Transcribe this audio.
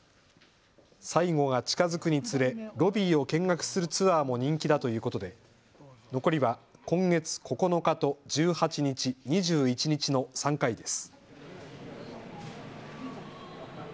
最後が近づくにつれロビーを見学するツアーも人気だということで残りは今月９日と１８日、２１日の３回です。